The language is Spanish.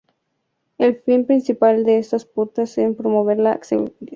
El fin principal de estas pautas en promover la accesibilidad.